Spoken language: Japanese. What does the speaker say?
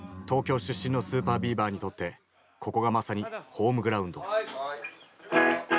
東京出身のＳＵＰＥＲＢＥＡＶＥＲにとってここがまさにホームグラウンド。